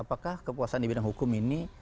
apakah kepuasan di bidang hukum ini